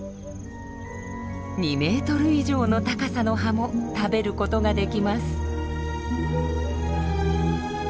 ２メートル以上の高さの葉も食べることができます。